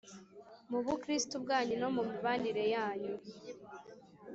mu bukristubwanyu no mu mibanire yanyu